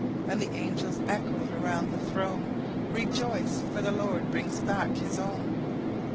And the angels echoed around the throne,"Rejoice, for the Lord brings back his own!"